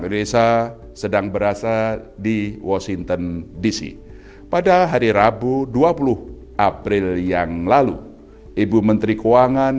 desa sedang berasa di washington dc pada hari rabu dua puluh april yang lalu ibu menteri keuangan